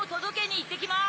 いってきます！